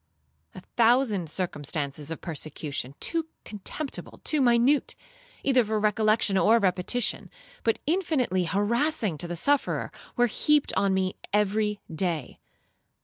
A thousand circumstances of persecution, too contemptible, too minute, either for recollection or repetition, but infinitely harassing to the sufferer, were heaped on me every day.